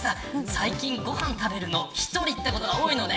最近、ご飯食べるの１人ってことが多いのね。